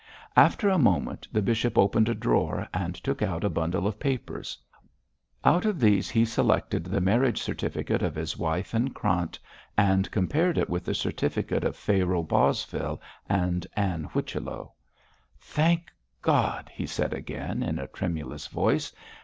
After a moment the bishop opened a drawer and took out a bundle of papers. Out of these he selected the marriage certificate of his wife and Krant, and compared it with the certificate of Pharaoh Bosvile and Ann Whichello. 'Thank God!' he said again, in a tremulous voice.